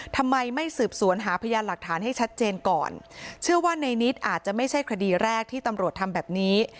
ทำไมไม่สืบสวนหาพยานหลักฐานให้ชัดเจนก่อนเชื่อว่าในนิดอาจจะไม่ใช่คดีแรกที่ตำรวจทำแบบนี้